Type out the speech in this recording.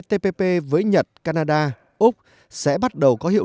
lúc này việc này đã là việc khác nhau